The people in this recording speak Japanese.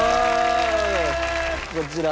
こちら。